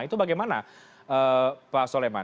itu bagaimana pak soleman